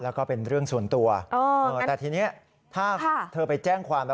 แล้วก็เป็นเรื่องส่วนตัวแต่ทีนี้ถ้าเธอไปแจ้งความแล้ว